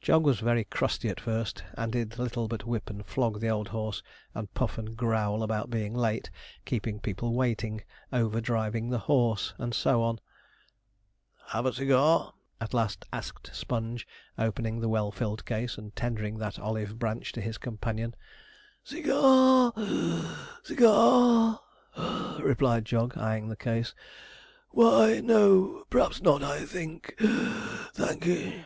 Jog was very crusty at first, and did little but whip and flog the old horse, and puff and growl about being late, keeping people waiting, over driving the horse, and so on. 'Have a cigar?' at last asked Sponge, opening the well filled case, and tendering that olive branch to his companion. 'Cigar (wheeze), cigar (puff)?' replied Jog, eyeing the case; 'why, no, p'raps not, I think (wheeze), thank'e.'